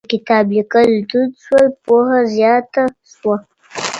کله چې کتاب ليکل دود شول، پوهه زياته شوه.